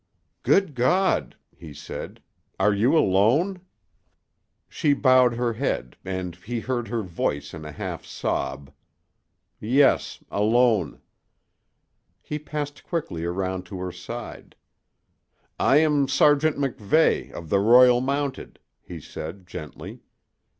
"Good God!" he said. "Are you alone?" She bowed her head, and he heard her voice in a half sob. "Yes alone." He passed quickly around to her side. "I am Sergeant MacVeigh, of the Royal Mounted," he said, gently.